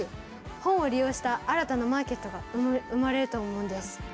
本を利用した新たなマーケットが生まれると思うんです。